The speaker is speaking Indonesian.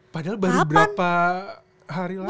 padahal baru berapa hari yang lalu